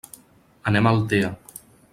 Anem a Altea.